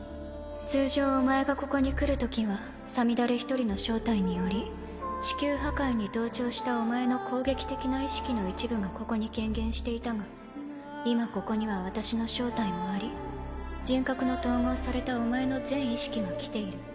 通常お前がここに来るときはさみだれ一人の招待により地球破壊に同調したお前の攻撃的な意識の一部がここに顕現していたが今ここには私の招待もあり人格の統合されたお前の全意識が来ている。